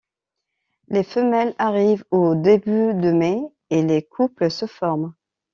Les femelles arrivent au début de mai et les couples se forment.